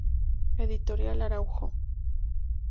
Editorial Araujo.